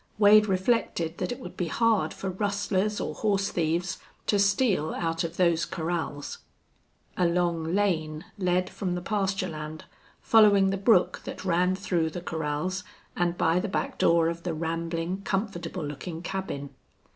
Wade reflected that it would be hard for rustlers or horse thieves to steal out of those corrals. A long lane led from the pasture land, following the brook that ran through the corrals and by the back door of the rambling, comfortable looking cabin.